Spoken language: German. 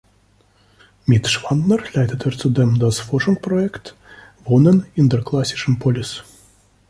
Mit Schwandner leitet er zudem das Forschungsprojekt „Wohnen in der klassischen Polis“.